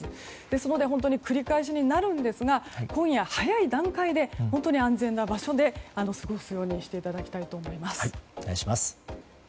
ですので繰り返しになるんですが今夜、早い段階で本当に安全な場所で過ごすようにしていただきたいと思います。